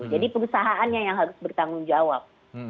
jadi perusahaannya yang harus bertanggung jawab